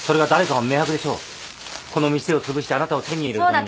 この店をつぶしてあなたを手に入れるために。